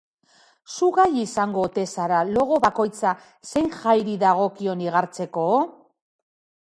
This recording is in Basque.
Zu gai izango ote zara logo bakoitza zein jairi dagokion igartzeko?